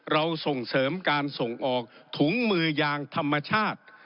เราส่งเสริมการส่งออกถุงมือยางธรรมชาติ